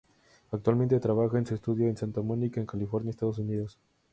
Actualmente trabaja en su estudio de Santa Mónica en California, Estados Unidos.